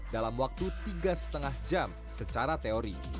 dalam waktu tiga lima jam secara teori